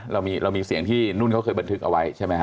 เรามีเสียงที่นุ่นเขาเคยบันทึกเอาไว้ใช่ไหมฮ